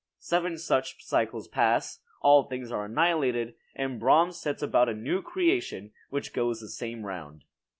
Seven such cycles pass; all things are annihilated, and Brahm sets about a new creation which goes the same round.